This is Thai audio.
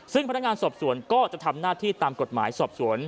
ซึ่งพนักงานสอบสวนก็จะทำหน้าที่ตามกฎหมายสอบสวน